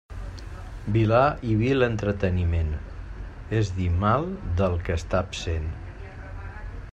Vilà i vil entreteniment, és dir mal del que està absent.